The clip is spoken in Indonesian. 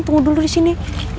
tunggu dulu disini